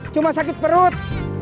cuma sakit perut